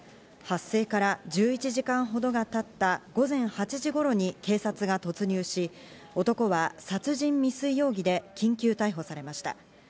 発生から１１時間ほどが経った午前８時頃に警察が突入し、男は殺人未遂容疑で緊急逮捕されました。